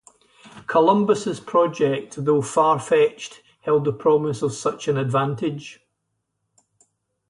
Columbus's project, though far-fetched, held the promise of such an advantage.